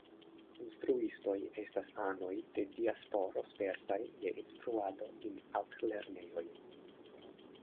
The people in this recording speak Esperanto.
Instruistoj estas anoj de diasporo spertaj je instruado en altlernejoj.